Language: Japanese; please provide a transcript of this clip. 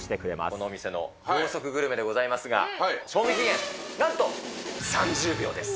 このお店の秒速グルメでございますが、賞味期限なんと３０秒です。